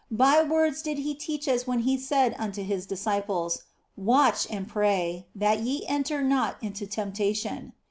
By words did He teach us when He said unto His disciples, " Watch and pray, that ye enter not into temptation."